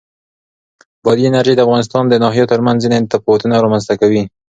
بادي انرژي د افغانستان د ناحیو ترمنځ ځینې تفاوتونه رامنځ ته کوي.